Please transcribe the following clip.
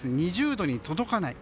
２０度に届かない。